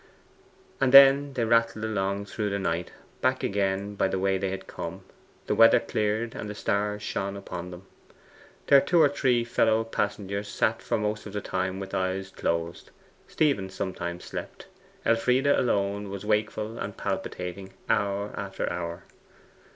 And then they rattled along through the night, back again by the way they had come. The weather cleared, and the stars shone in upon them. Their two or three fellow passengers sat for most of the time with closed eyes. Stephen sometimes slept; Elfride alone was wakeful and palpitating hour after hour.